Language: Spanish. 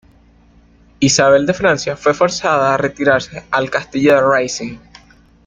Isabel de Francia fue forzada a retirarse al castillo de Rising.